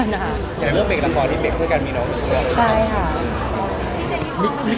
ในเรื่องเบคละบอทที่เบคเพื่อการมีน้ำขัวใช่ไหม